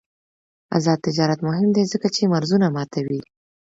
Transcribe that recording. آزاد تجارت مهم دی ځکه چې مرزونه ماتوي.